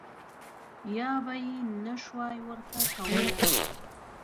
یا به یې نه شوای ورته کولای.